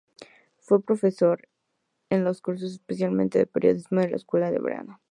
Fue profesor en los cursos especiales de periodismo de la Escuela de Verano.